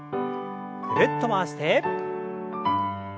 ぐるっと回して。